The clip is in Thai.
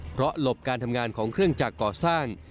เพราะหลบการทำงานของเครื่องจักรก่อสร้าง